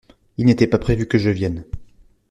Il n’était pas prévu que je vienne.